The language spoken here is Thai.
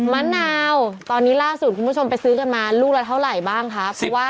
มะนาวตอนนี้ล่าสุดคุณผู้ชมไปซื้อกันมาลูกละเท่าไหร่บ้างคะ